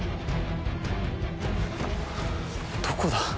どこだ？